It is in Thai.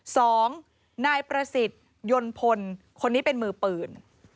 สองนายประสิทธิ์ยนต์พลคนนี้เป็นมือปืน